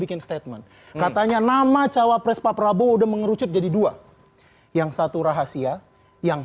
bikin statement katanya nama cawapres pak prabowo udah mengerucut jadi dua yang satu rahasia yang